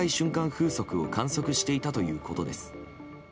風速を観測していたということです。